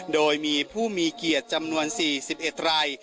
โดยมีผู้มีเกียรติจำนวน๔๑ราย